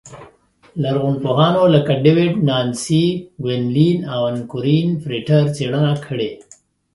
لرغونپوهانو لکه ډېوېډ، نانسي ګونلین او ان کورېن فرېټر څېړنه کړې